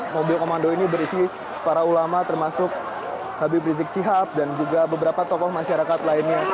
mobil komando ini berisi para ulama termasuk habib rizik sihab dan juga beberapa tokoh masyarakat lainnya